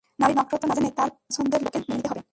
নাড়ি নক্ষত্র না জেনেই তোর পছন্দের লোককে মেনে নিতে হবে?